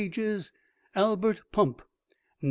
Albert Pump. 9s.